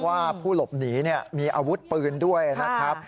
ว่าผู้หลบหนีมีอาวุธปืนด้วยนะครับ